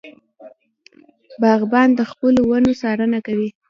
باغبان د خپلو ونو څارنه کوي.